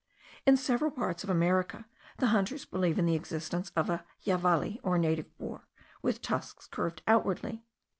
In several parts of America the hunters believe in the existence of a javali, or native boar with tusks curved outwardly.